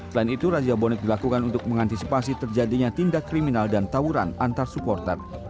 selain itu razia bonek dilakukan untuk mengantisipasi terjadinya tindak kriminal dan tawuran antar supporter